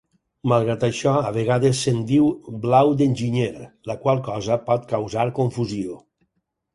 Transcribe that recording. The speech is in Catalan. Malgrat això, a vegades se'n diu blau d'enginyer, la qual cosa pot causar confusió.